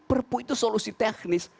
perpu itu solusi teknis